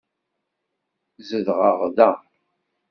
Zedɣeɣ da.